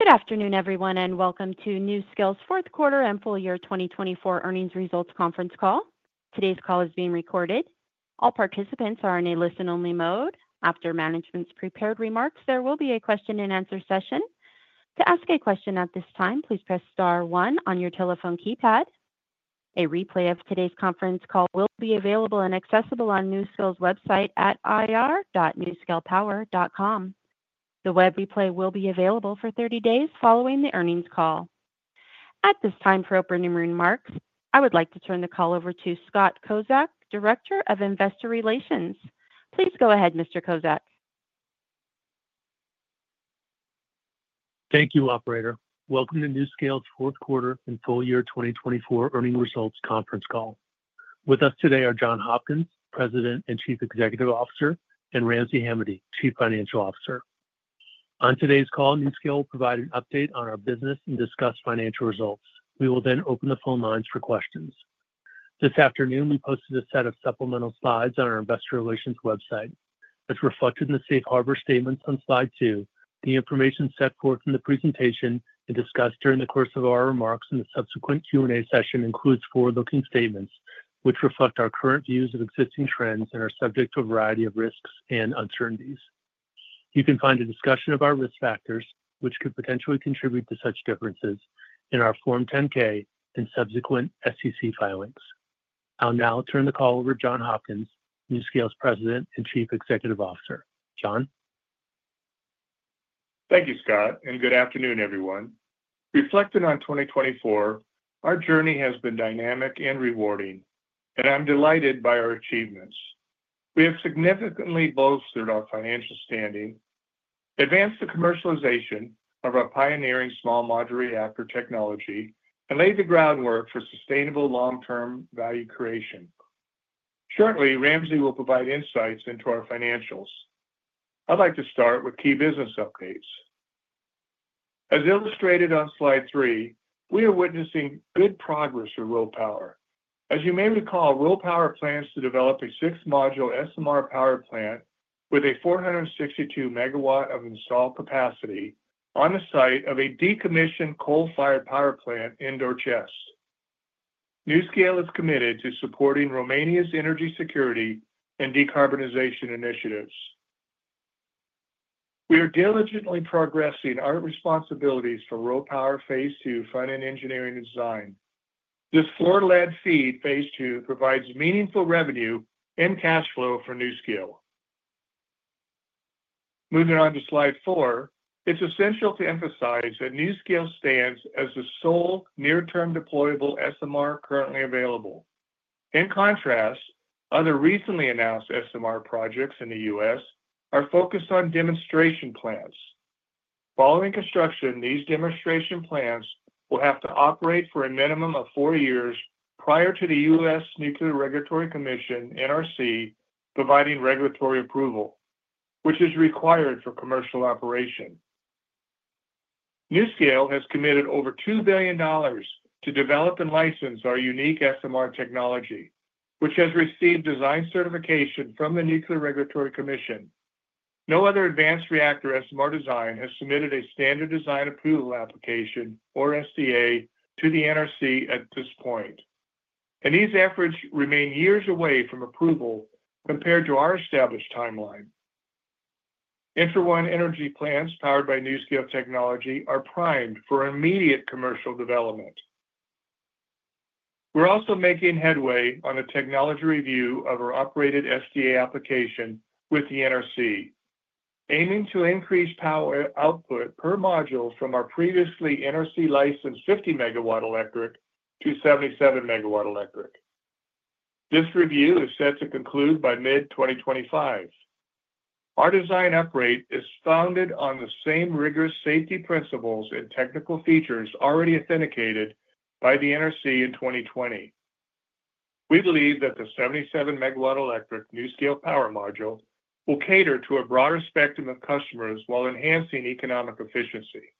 Good afternoon, everyone, and welcome to NuScale's fourth quarter and full year 2024 earnings results conference call. Today's call is being recorded. All participants are in a listen-only mode. After management's prepared remarks, there will be a question-and-answer session. To ask a question at this time, please press star one on your telephone keypad. A replay of today's conference call will be available and accessible on NuScale's website at ir.nuscalepower.com. The web replay will be available for 30 days following the earnings call. At this time, for opening remarks, I would like to turn the call over to Scott Kozak, Director of Investor Relations. Please go ahead, Mr. Kozak. Thank you, Operator. Welcome to NuScale's fourth quarter and full year 2024 earnings results conference call. With us today are John Hopkins, President and Chief Executive Officer, and Ramsey Hamady, Chief Financial Officer. On today's call, NuScale will provide an update on our business and discuss financial results. We will then open the phone lines for questions. This afternoon, we posted a set of supplemental slides on our Investor Relations website. As reflected in the Safe Harbor statements on slide two, the information set forth in the presentation and discussed during the course of our remarks in the subsequent Q&A session includes forward-looking statements which reflect our current views of existing trends and are subject to a variety of risks and uncertainties. You can find a discussion of our risk factors, which could potentially contribute to such differences, in our Form 10-K and subsequent SEC filings. I'll now turn the call over to John Hopkins, NuScale's President and Chief Executive Officer. John? Thank you, Scott, and good afternoon, everyone. Reflecting on 2024, our journey has been dynamic and rewarding, and I'm delighted by our achievements. We have significantly bolstered our financial standing, advanced the commercialization of our pioneering small modular reactor technology, and laid the groundwork for sustainable long-term value creation. Shortly, Ramsey will provide insights into our financials. I'd like to start with key business updates. As illustrated on slide three, we are witnessing good progress for RoPower. As you may recall, RoPower plans to develop a six-module SMR power plant with a 462 megawatts of installed capacity on the site of a decommissioned coal-fired power plant, Doicești. NuScale is committed to supporting Romania's energy security and decarbonization initiatives. We are diligently progressing our responsibilities for RoPower phase two, front-end engineering and design. This forward-led feed, phase two, provides meaningful revenue and cash flow for NuScale. Moving on to slide four, it's essential to emphasize that NuScale stands as the sole near-term deployable SMR currently available. In contrast, other recently announced SMR projects in the U.S. are focused on demonstration plants. Following construction, these demonstration plants will have to operate for a minimum of four years prior to the U.S. Nuclear Regulatory Commission, NRC, providing regulatory approval, which is required for commercial operation. NuScale has committed over $2 billion to develop and license our unique SMR technology, which has received design certification from the Nuclear Regulatory Commission. No other advanced reactor SMR design has submitted a Standard Design Approval application, or SDA, to the NRC at this point, and these efforts remain years away from approval compared to our established timeline. SMR energy plants powered by NuScale technology are primed for immediate commercial development. We're also making headway on a technology review of our updated SDA application with the NRC, aiming to increase power output per module from our previously NRC-licensed 50 megawatts electric to 77 megawatts electric. This review is set to conclude by mid-2025. Our design upgrade is founded on the same rigorous safety principles and technical features already authenticated by the NRC in 2020. We believe that the 77 megawatts electric NuScale Power Module will cater to a broader spectrum of customers while enhancing economic efficiency.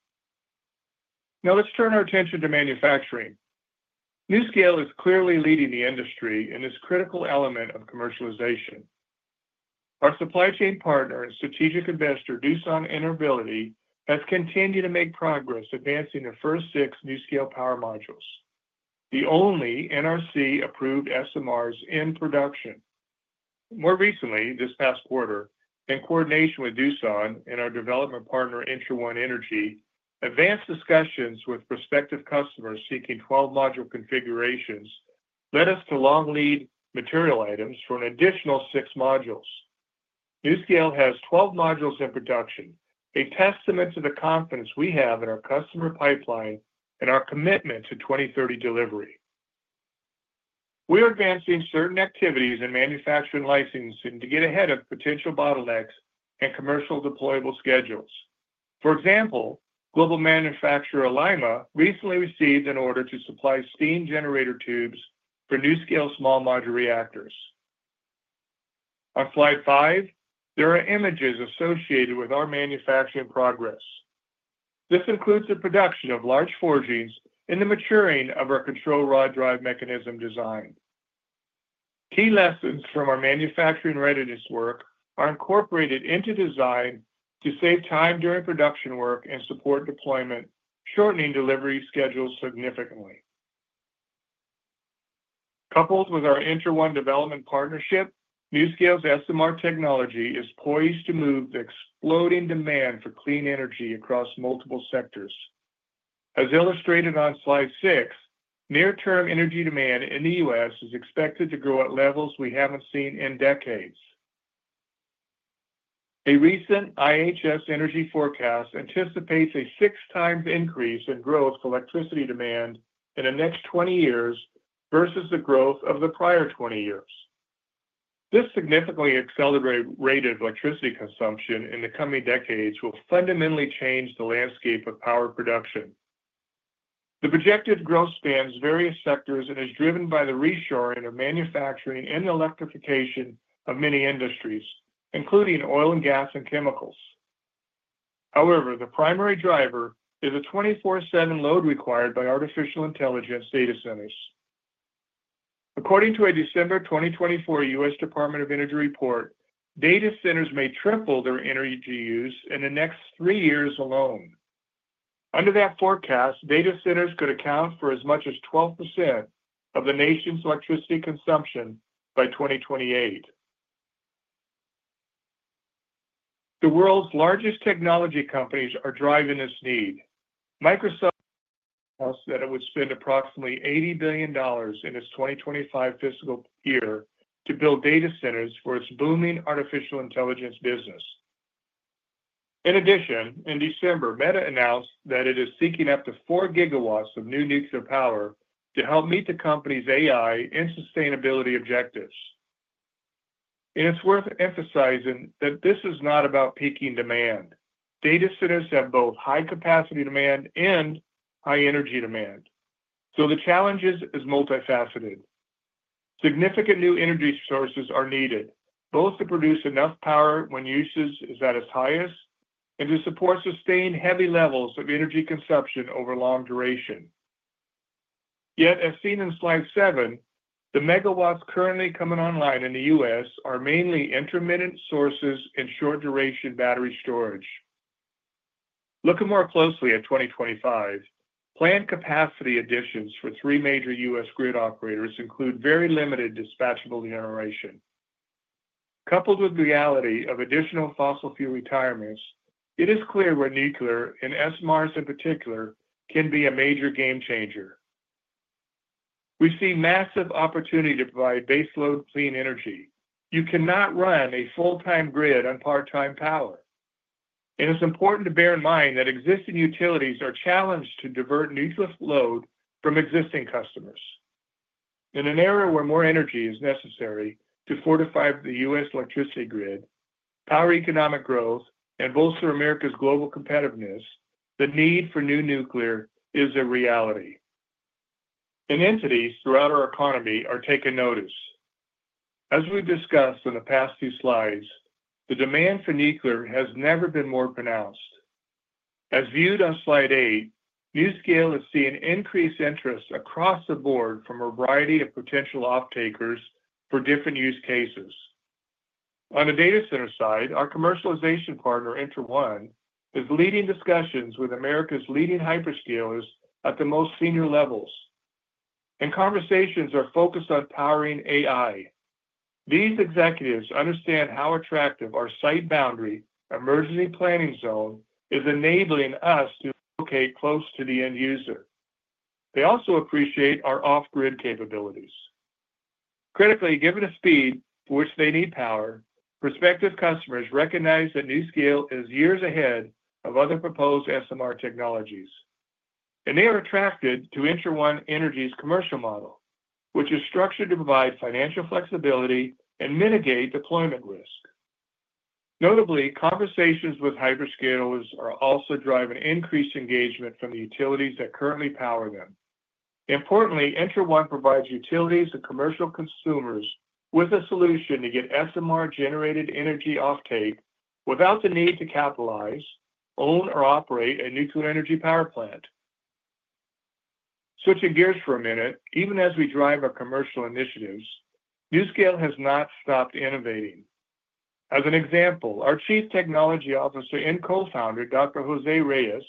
Now, let's turn our attention to manufacturing. NuScale is clearly leading the industry in this critical element of commercialization. Our supply chain partner and strategic investor, Doosan Enerbility, has continued to make progress advancing the first six NuScale Power Modules, the only NRC-approved SMRs in production. More recently, this past quarter, in coordination with Doosan and our development partner, Entra1 Energy, advanced discussions with prospective customers seeking 12-module configurations led us to long-lead material items for an additional six modules. NuScale has 12 modules in production, a testament to the confidence we have in our customer pipeline and our commitment to 2030 delivery. We are advancing certain activities in manufacturing licensing to get ahead of potential bottlenecks and commercial deployable schedules. For example, global manufacturer Alleima recently received an order to supply steam generator tubes for NuScale small modular reactors. On slide five, there are images associated with our manufacturing progress. This includes the production of large forgings and the maturing of our control rod drive mechanism design. Key lessons from our manufacturing readiness work are incorporated into design to save time during production work and support deployment, shortening delivery schedules significantly. Coupled with our Entra1 Energy development partnership, NuScale's SMR technology is poised to move the exploding demand for clean energy across multiple sectors. As illustrated on slide six, near-term energy demand in the U.S. is expected to grow at levels we haven't seen in decades. A recent IHS Energy forecast anticipates a six-times increase in growth for electricity demand in the next 20 years versus the growth of the prior 20 years. This significantly accelerated rate of electricity consumption in the coming decades will fundamentally change the landscape of power production. The projected growth spans various sectors and is driven by the reshoring of manufacturing and electrification of many industries, including oil and gas and chemicals. However, the primary driver is a 24/7 load required by artificial intelligence data centers. According to a December 2024 U.S. Department of Energy report. Data centers may triple their energy use in the next three years alone. Under that forecast, data centers could account for as much as 12% of the nation's electricity consumption by 2028. The world's largest technology companies are driving this need. Microsoft announced that it would spend approximately $80 billion in its 2025 fiscal year to build data centers for its booming artificial intelligence business. In addition, in December, Meta announced that it is seeking up to four gigawatts of new nuclear power to help meet the company's AI and sustainability objectives, and it's worth emphasizing that this is not about peaking demand. Data centers have both high-capacity demand and high-energy demand, so the challenge is multifaceted. Significant new energy sources are needed, both to produce enough power when usage is at its highest and to support sustained heavy levels of energy consumption over long duration. Yet, as seen in slide seven, the megawatts currently coming online in the U.S. are mainly intermittent sources and short-duration battery storage. Looking more closely at 2025, planned capacity additions for three major U.S. grid operators include very limited dispatchable generation. Coupled with the reality of additional fossil fuel retirements, it is clear where nuclear, and SMRs in particular, can be a major game changer. We see massive opportunity to provide base load clean energy. You cannot run a full-time grid on part-time power, and it's important to bear in mind that existing utilities are challenged to divert nuclear load from existing customers. In an era where more energy is necessary to fortify the U.S. electricity grid, power economic growth, and bolster America's global competitiveness, the need for new nuclear is a reality, and entities throughout our economy are taking notice. As we've discussed in the past few slides, the demand for nuclear has never been more pronounced. As viewed on slide eight, NuScale is seeing increased interest across the board from a variety of potential off-takers for different use cases. On the data center side, our commercialization partner, Entra1 Energy, is leading discussions with America's leading hyperscalers at the most senior levels. And conversations are focused on powering AI. These executives understand how attractive our site boundary emergency planning zone is, enabling us to locate close to the end user. They also appreciate our off-grid capabilities. Critically, given the speed for which they need power, prospective customers recognize that NuScale is years ahead of other proposed SMR technologies. And they are attracted to Entra1 Energy's commercial model, which is structured to provide financial flexibility and mitigate deployment risk. Notably, conversations with hyperscalers are also driving increased engagement from the utilities that currently power them. Importantly, Entra1 Energy provides utilities and commercial consumers with a solution to get SMR-generated energy offtake without the need to capitalize, own, or operate a nuclear energy power plant. Switching gears for a minute, even as we drive our commercial initiatives, NuScale has not stopped innovating. As an example, our Chief Technology Officer and co-founder, Dr. José Reyes,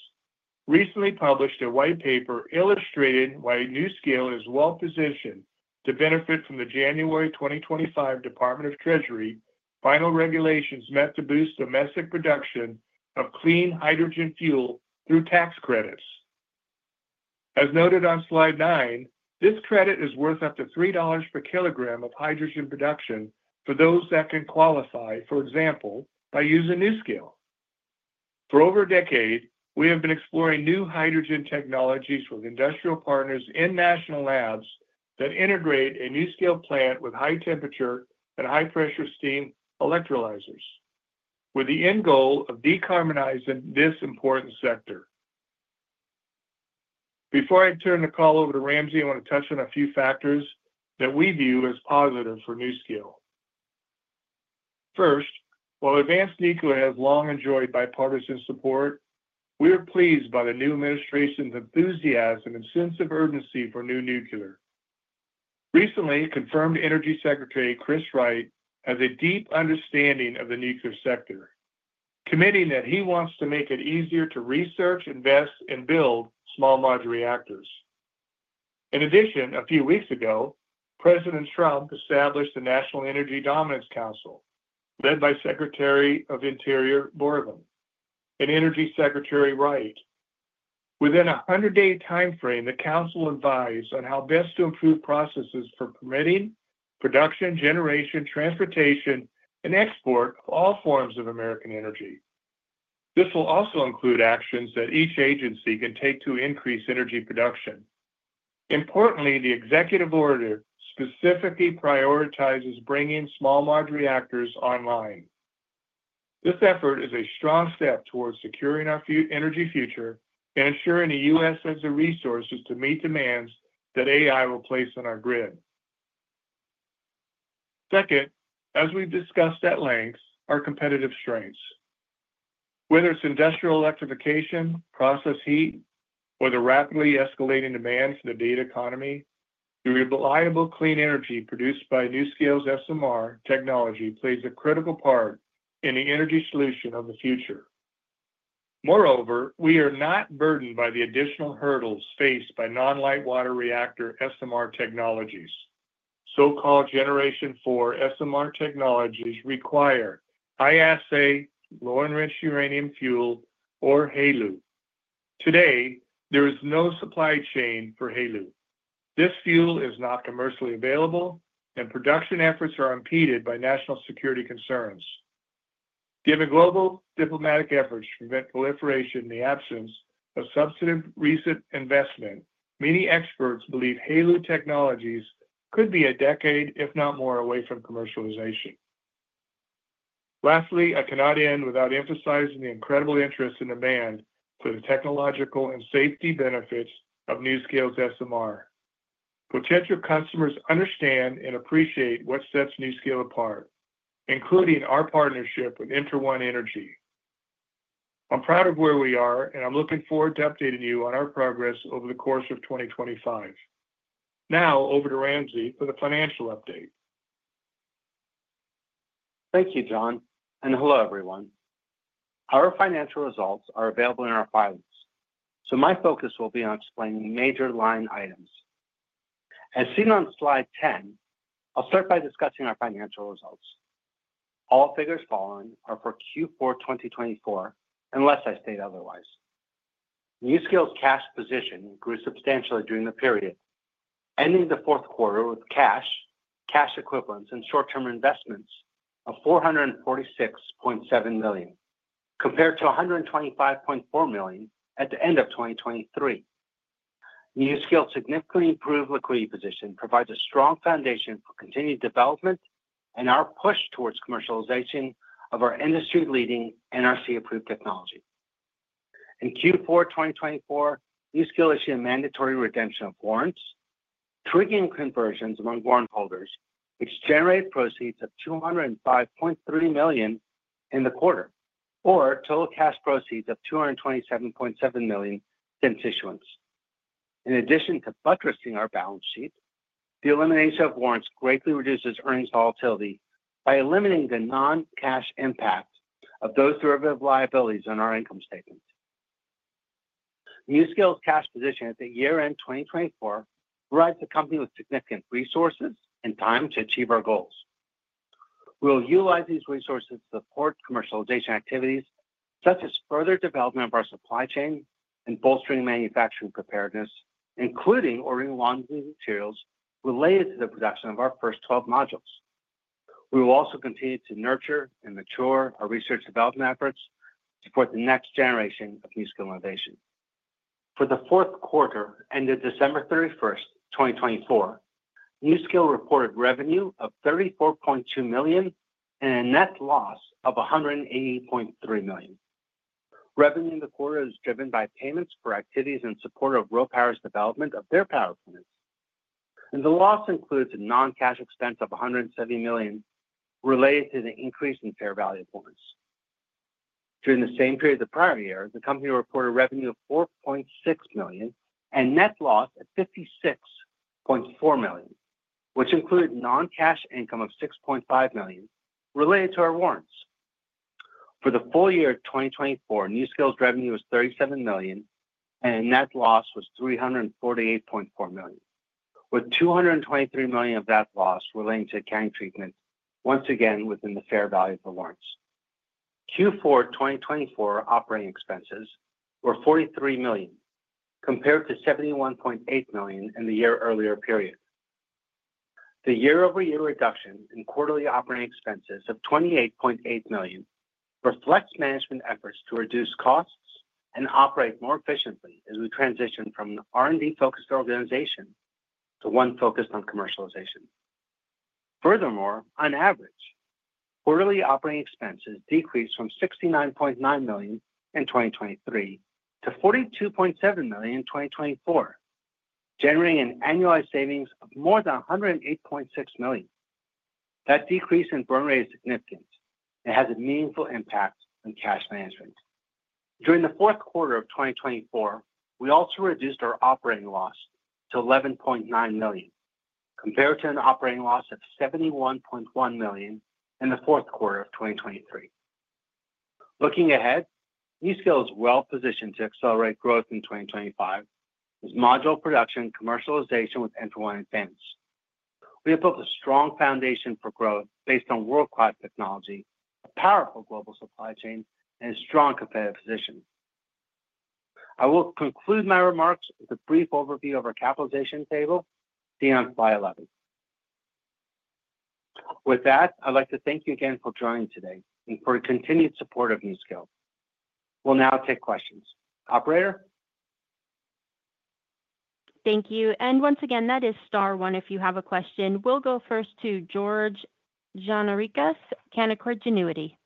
recently published a white paper illustrating why NuScale is well-positioned to benefit from the January 2025 U.S. Department of the Treasury final regulations meant to boost domestic production of clean hydrogen fuel through tax credits. As noted on slide nine, this credit is worth up to $3 per kilogram of hydrogen production for those that can qualify, for example, by using NuScale. For over a decade, we have been exploring new hydrogen technologies with industrial partners and national labs that integrate a NuScale plant with high-temperature and high-pressure steam electrolyzers, with the end goal of decarbonizing this important sector. Before I turn the call over to Ramsey, I want to touch on a few factors that we view as positive for NuScale. First, while advanced nuclear has long enjoyed bipartisan support, we are pleased by the new administration's enthusiasm and sense of urgency for new nuclear. Recently, confirmed Energy Secretary Chris Wright has a deep understanding of the nuclear sector, committing that he wants to make it easier to research, invest, and build small modular reactors. In addition, a few weeks ago, President Trump established the National Energy Dominance Council, led by Secretary of the Interior Doug Burgum and Energy Secretary Wright. Within a 100-day timeframe, the council advised on how best to improve processes for permitting, production, generation, transportation, and export of all forms of American energy. This will also include actions that each agency can take to increase energy production. Importantly, the executive order specifically prioritizes bringing small modular reactors online. This effort is a strong step towards securing our energy future and ensuring the U.S. has the resources to meet demands that AI will place on our grid. Second, as we've discussed at length, our competitive strengths. Whether it's industrial electrification, process heat, or the rapidly escalating demand for the data economy, the reliable clean energy produced by NuScale's SMR technology plays a critical part in the energy solution of the future. Moreover, we are not burdened by the additional hurdles faced by non-light water reactor SMR technologies. So-called Generation Four SMR technologies require high-assay low-enriched uranium fuel or HALEU. Today, there is no supply chain for HALEU. This fuel is not commercially available, and production efforts are impeded by national security concerns. Given global diplomatic efforts to prevent proliferation in the absence of substantive recent investment, many experts believe HALEU technologies could be a decade, if not more, away from commercialization. Lastly, I cannot end without emphasizing the incredible interest and demand for the technological and safety benefits of NuScale's SMR. Potential customers understand and appreciate what sets NuScale apart, including our partnership with Entra1 Energy. I'm proud of where we are, and I'm looking forward to updating you on our progress over the course of 2025. Now, over to Ramsey for the financial update. Thank you, John, and hello, everyone. Our financial results are available in our filings, so my focus will be on explaining major line items. As seen on slide 10, I'll start by discussing our financial results. All figures following are for Q4 2024, unless I state otherwise. NuScale's cash position grew substantially during the period, ending the fourth quarter with cash, cash equivalents, and short-term investments of $446.7 million, compared to $125.4 million at the end of 2023. NuScale's significantly improved liquidity position provides a strong foundation for continued development and our push towards commercialization of our industry-leading NRC-approved technology. In Q4 2024, NuScale issued a mandatory redemption of warrants, triggering conversions among warrant holders, which generated proceeds of $205.3 million in the quarter, or total cash proceeds of $227.7 million since issuance. In addition to buttressing our balance sheet, the elimination of warrants greatly reduces earnings volatility by eliminating the non-cash impact of those derivative liabilities on our income statement. NuScale's cash position at the year-end 2024 provides the company with significant resources and time to achieve our goals. We will utilize these resources to support commercialization activities, such as further development of our supply chain and bolstering manufacturing preparedness, including ordering long-lead materials related to the production of our first 12 modules. We will also continue to nurture and mature our research development efforts to support the next generation of NuScale innovation. For the fourth quarter ended December 31st, 2024, NuScale reported revenue of $34.2 million and a net loss of $180.3 million. Revenue in the quarter is driven by payments for activities in support of RoPower's development of their power plants. The loss includes a non-cash expense of $170 million related to the increase in fair value of warrants. During the same period the prior year, the company reported revenue of $4.6 million and net loss of $56.4 million, which included non-cash income of $6.5 million related to our warrants. For the full year of 2024, NuScale's revenue was $37 million, and net loss was $348.4 million, with $223 million of that loss relating to accounting treatment, once again within the fair value of the warrants. Q4 2024 operating expenses were $43 million, compared to $71.8 million in the year earlier period. The year-over-year reduction in quarterly operating expenses of $28.8 million reflects management efforts to reduce costs and operate more efficiently as we transition from an R&D-focused organization to one focused on commercialization. Furthermore, on average, quarterly operating expenses decreased from $69.9 million in 2023 to $42.7 million in 2024, generating an annualized savings of more than $108.6 million. That decrease in burn rate is significant and has a meaningful impact on cash management. During the fourth quarter of 2024, we also reduced our operating loss to $11.9 million, compared to an operating loss of $71.1 million in the fourth quarter of 2023. Looking ahead, NuScale is well-positioned to accelerate growth in 2025 with module production and commercialization with Entra1 Energy. We have built a strong foundation for growth based on world-class technology, a powerful global supply chain, and a strong competitive position. I will conclude my remarks with a brief overview of our capitalization table seen on slide 11. With that, I'd like to thank you again for joining today and for your continued support of NuScale. We'll now take questions. Operator? Thank you. And once again, that is star one. If you have a question, we'll go first to George Gianarikas, Canaccord Genuity.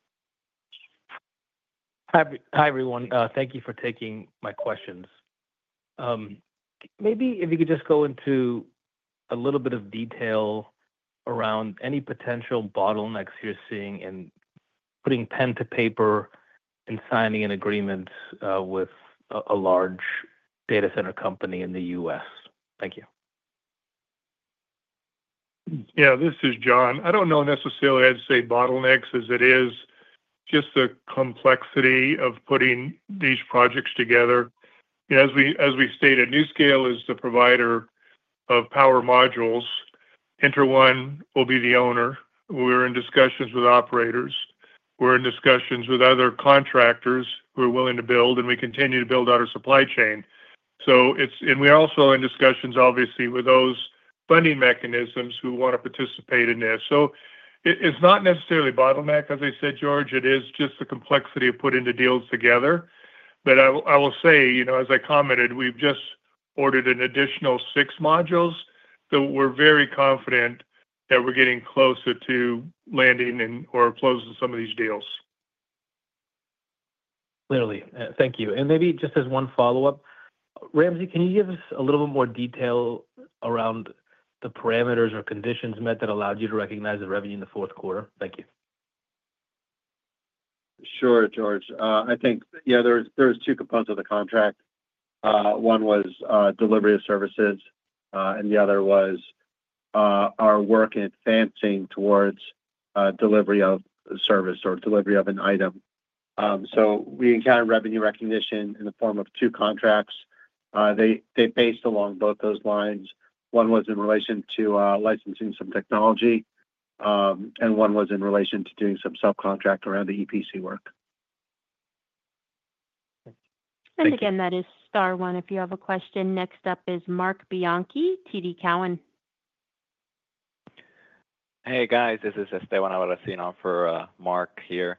Hi, everyone. Thank you for taking my questions. Maybe if you could just go into a little bit of detail around any potential bottlenecks you're seeing in putting pen to paper and signing an agreement with a large data center company in the U.S. Thank you. Yeah, this is John. I don't know necessarily I'd say bottlenecks as it is just the complexity of putting these projects together. As we stated, NuScale is the provider of power modules. Entra1 Energy will be the owner. We're in discussions with operators. We're in discussions with other contractors who are willing to build, and we continue to build out our supply chain. And we're also in discussions, obviously, with those funding mechanisms who want to participate in this. So it's not necessarily a bottleneck, as I said, George. It is just the complexity of putting the deals together. But I will say, as I commented, we've just ordered an additional six modules. So we're very confident that we're getting closer to landing or closing some of these deals. Clearly. Thank you. And maybe just as one follow-up, Ramsey, can you give us a little bit more detail around the parameters or conditions met that allowed you to recognize the revenue in the fourth quarter? Thank you. Sure, George. I think, yeah, there were two components of the contract. One was delivery of services, and the other was our work in advancing towards delivery of service or delivery of an item. So we encountered revenue recognition in the form of two contracts. It was based on both those lines. One was in relation to licensing some technology, and one was in relation to doing some subcontract around the EPC work. And again, that is star one. If you have a question, next up is Marc Bianchi, TD Cowen. Hey, guys. This is Thomas Boyes for Marc here.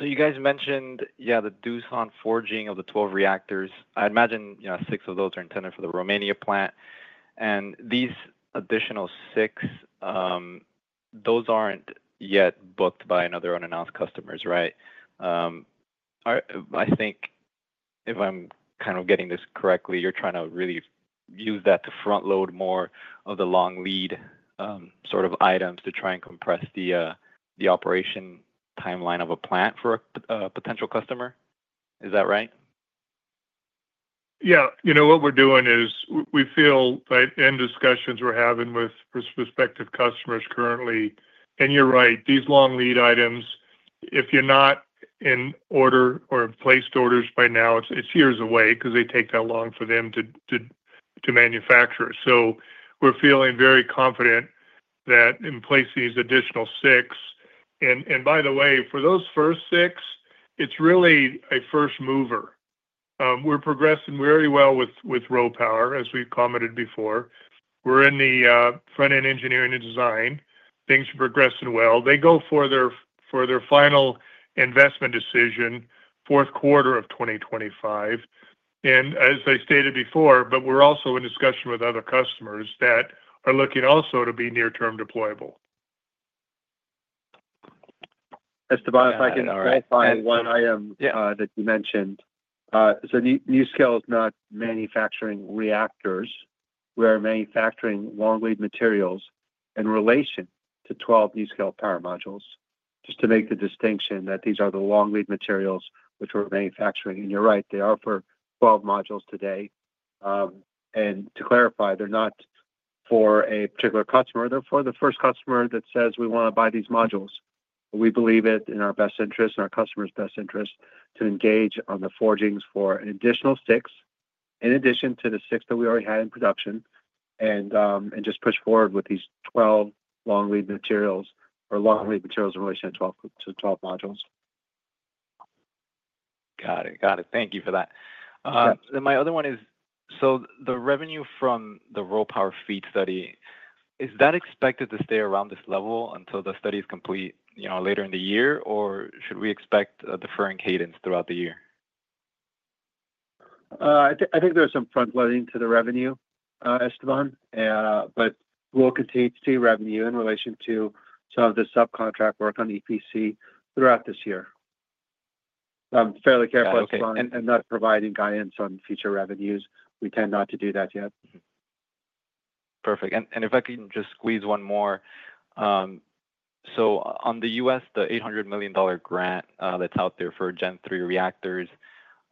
So you guys mentioned, yeah, the Doosan forging of the 12 reactors. I imagine six of those are intended for the Romania plant. And these additional six, those aren't yet booked by another unannounced customers, right? I think, if I'm kind of getting this correctly, you're trying to really use that to front-load more of the long lead sort of items to try and compress the operation timeline of a plant for a potential customer. Is that right? Yeah. You know what we're doing is we feel that in discussions we're having with prospective customers currently, and you're right, these long lead items, if you're not in order or placed orders by now, it's years away because they take that long for them to manufacture. So we're feeling very confident that in placing these additional six. And by the way, for those first six, it's really a first mover. We're progressing very well with RoPower, as we commented before. We're in the front-end engineering and design. Things are progressing well. They go for their final investment decision fourth quarter of 2025. And as I stated before, but we're also in discussion with other customers that are looking also to be near-term deployable. Thomas, if I can qualify one item that you mentioned. So NuScale is not manufacturing reactors. We are manufacturing long lead materials in relation to 12 NuScale Power modules. Just to make the distinction that these are the long lead materials which we're manufacturing. You're right, they are for 12 modules today. To clarify, they're not for a particular customer. They're for the first customer that says, "We want to buy these modules." We believe it in our best interest, in our customer's best interest, to engage on the forgings for an additional six in addition to the six that we already had in production and just push forward with these 12 long lead materials or long lead materials in relation to 12 modules. Got it. Got it. Thank you for that. Then my other one is, so the revenue from the RoPower FEED study, is that expected to stay around this level until the study is complete later in the year, or should we expect a deferring cadence throughout the year? I think there's some front-loading to the revenue, Esteban, but we'll continue to see revenue in relation to some of the subcontract work on EPC throughout this year. I'm fairly careful, Esteban, and not providing guidance on future revenues. We tend not to do that yet. Perfect. And if I can just squeeze one more. So on the U.S., the $800 million grant that's out there for Gen3 reactors,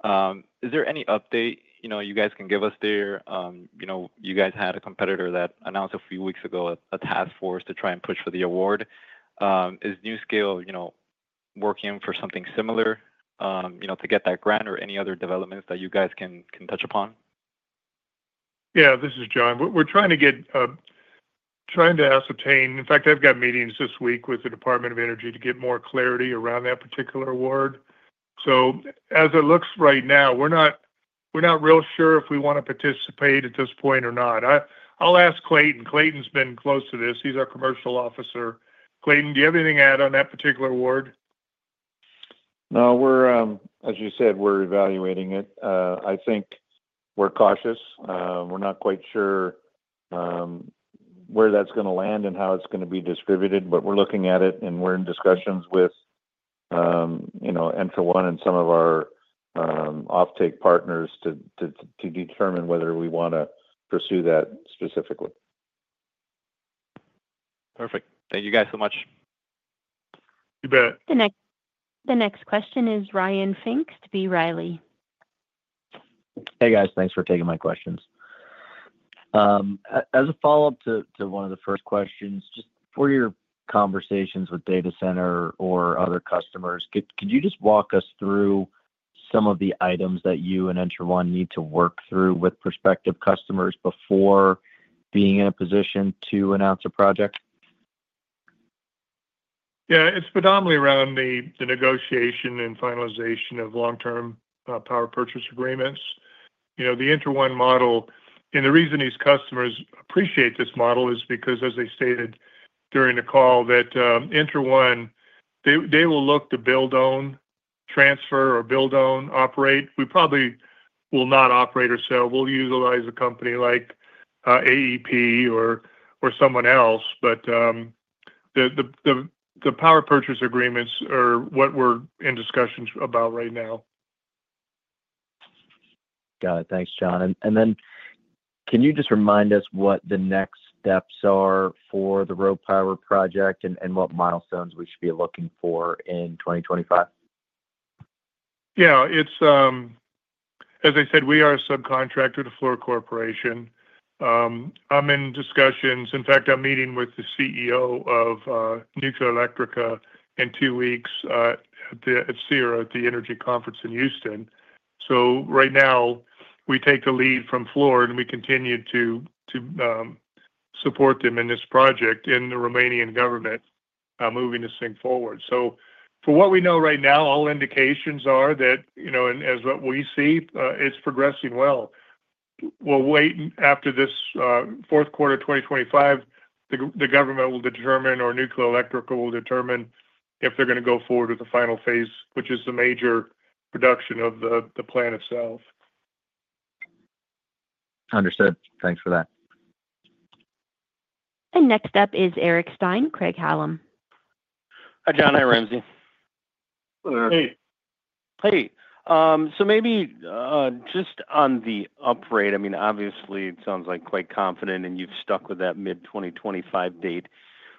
is there any update you guys can give us there? You guys had a competitor that announced a few weeks ago a task force to try and push for the award. Is NuScale working for something similar to get that grant or any other developments that you guys can touch upon? Yeah, this is John. We're trying to ascertain. In fact, I've got meetings this week with the Department of Energy to get more clarity around that particular award. So as it looks right now, we're not real sure if we want to participate at this point or not. I'll ask Clayton. Clayton's been close to this. He's our commercial officer. Clayton, do you have anything to add on that particular award? No, as you said, we're evaluating it. I think we're cautious. We're not quite sure where that's going to land and how it's going to be distributed, but we're looking at it and we're in discussions with Entra1 and some of our offtake partners to determine whether we want to pursue that specifically. Perfect. Thank you guys so much. You bet. The next question is Ryan Pfingst to B. Riley Securities. Hey, guys. Thanks for taking my questions. As a follow-up to one of the first questions, just for your conversations with data center or other customers, could you just walk us through some of the items that you and Entra1 Energy need to work through with prospective customers before being in a position to announce a project? Yeah, it's predominantly around the negotiation and finalization of long-term power purchase agreements. The Entra1 Energy model, and the reason these customers appreciate this model is because, as I stated during the call, that Entra1 Energy, they will look to build-own, transfer or build-own, operate. We probably will not operate or sell. We'll utilize a company like AEP or someone else, but the power purchase agreements are what we're in discussions about right now. Got it. Thanks, John. And then can you just remind us what the next steps are for the RoPower project and what milestones we should be looking for in 2025? Yeah. As I said, we are a subcontractor to Fluor Corporation. I'm in discussions. In fact, I'm meeting with the CEO of Nuclearelectrica in two weeks at CERAWeek, at the Energy Conference in Houston. So right now, we take the lead from Fluor and we continue to support them in this project and the Romanian government moving to move forward. So for what we know right now, all indications are that, as what we see, it's progressing well. We'll wait after this fourth quarter of 2025. The government will determine, or Nuclearelectrica will determine if they're going to go forward with the final phase, which is the major production of the plant itself. Understood. Thanks for that. Next up is Eric Stine, Craig-Hallum. Hi, John. Hi, Ramsey. Hey. Hey. Maybe just on the upgrade, I mean, obviously, it sounds like quite confident and you've stuck with that mid-2025 date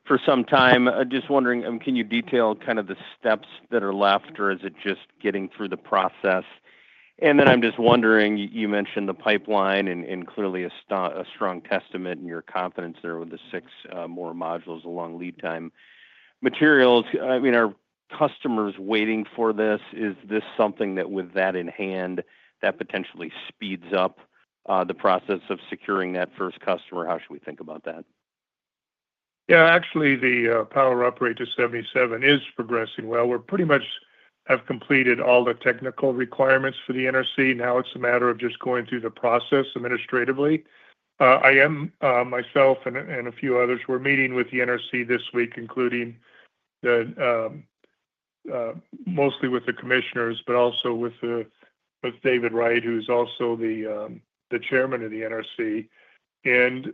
for some time. Just wondering, can you detail kind of the steps that are left or is it just getting through the process? And then I'm just wondering, you mentioned the pipeline and clearly a strong testament and your confidence there with the six more modules and long-lead time materials. I mean, are customers waiting for this? Is this something that, with that in hand, that potentially speeds up the process of securing that first customer? How should we think about that? Yeah. Actually, the power uprate to 77 is progressing well. We pretty much have completed all the technical requirements for the NRC. Now it's a matter of just going through the process administratively. I am, myself and a few others, we're meeting with the NRC this week, including mostly with the commissioners, but also with David Wright, who's also the chairman of the NRC. And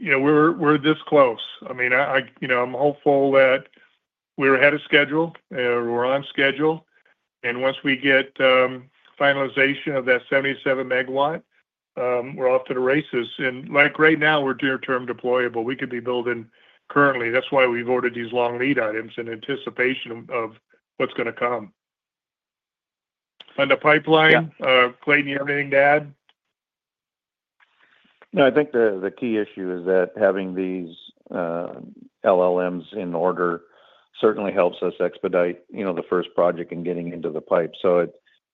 we're this close. I mean, I'm hopeful that we're ahead of schedule or we're on schedule. And once we get finalization of that 77 megawatt, we're off to the races. And like right now, we're near-term deployable. We could be building currently. That's why we've ordered these long lead items in anticipation of what's going to come. On the pipeline, Clayton, you have anything to add? No, I think the key issue is that having these LLMs in order certainly helps us expedite the first project and getting into the pipe. So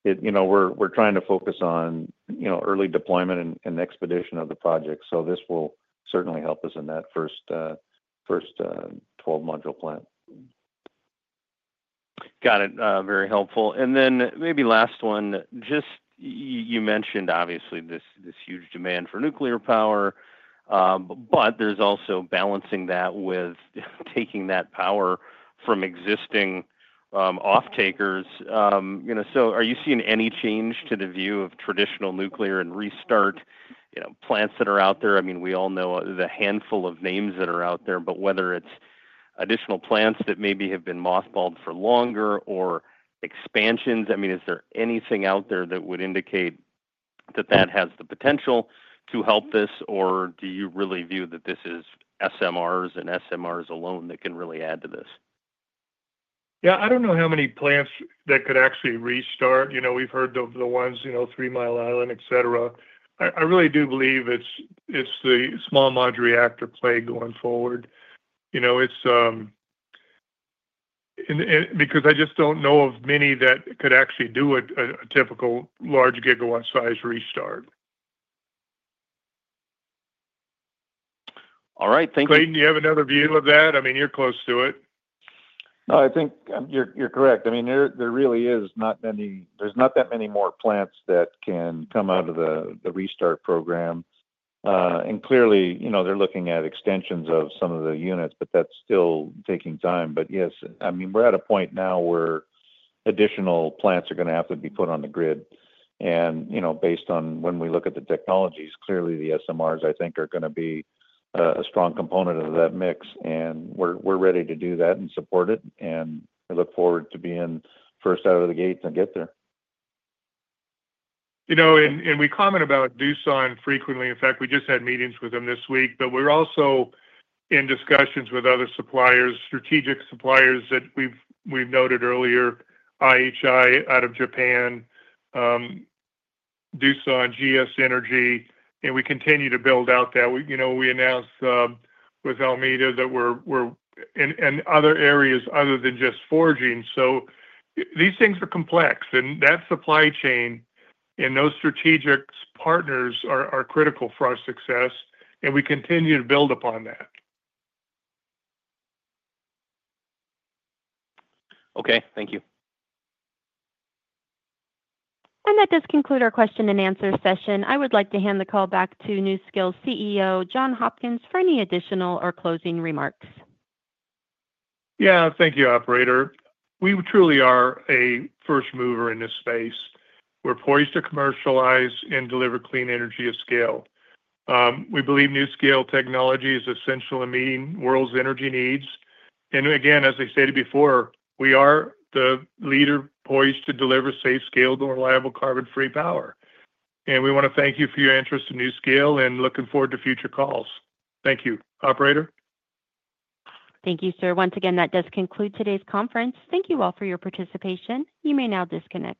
we're trying to focus on early deployment and expedition of the project. So this will certainly help us in that first 12-module plant. Got it. Very helpful. And then maybe last one, just you mentioned, obviously, this huge demand for nuclear power, but there's also balancing that with taking that power from existing offtakers. So are you seeing any change to the view of traditional nuclear and restart plants that are out there? I mean, we all know the handful of names that are out there, but whether it's additional plants that maybe have been mothballed for longer or expansions, I mean, is there anything out there that would indicate that that has the potential to help this, or do you really view that this is SMRs and SMRs alone that can really add to this? Yeah. I don't know how many plants that could actually restart. We've heard of the ones, Three Mile Island, etc. I really do believe it's the small modular reactor play going forward. Because I just don't know of many that could actually do a typical large gigawatt size restart. All right. Thank you. Clayton, do you have another view of that? I mean, you're close to it. No, I think you're correct. I mean, there really aren't that many more plants that can come out of the restart program. And clearly, they're looking at extensions of some of the units, but that's still taking time. But yes, I mean, we're at a point now where additional plants are going to have to be put on the grid. And based on when we look at the technologies, clearly, the SMRs, I think, are going to be a strong component of that mix. And we're ready to do that and support it. And we look forward to being first out of the gate and get there. And we comment about Doosan frequently. In fact, we just had meetings with them this week. But we're also in discussions with other suppliers, strategic suppliers that we've noted earlier, IHI out of Japan, Doosan, GS Energy. And we continue to build out that. We announced with Alleima that we're in other areas other than just forging. So these things are complex. And that supply chain and those strategic partners are critical for our success. And we continue to build upon that. Okay. Thank you. And that does conclude our question and answer session. I would like to hand the call back to NuScale CEO, John Hopkins, for any additional or closing remarks. Yeah. Thank you, operator. We truly are a first mover in this space. We're poised to commercialize and deliver clean energy at scale. We believe NuScale technology is essential in meeting the world's energy needs. And again, as I stated before, we are the leader poised to deliver safe, scalable, and reliable carbon-free power. And we want to thank you for your interest in NuScale and looking forward to future calls. Thank you, operator. Thank you, sir. Once again, that does conclude today's conference. Thank you all for your participation. You may now disconnect.